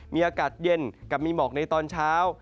มีอากาศเย็นกับมีหมอกในตอนเช้า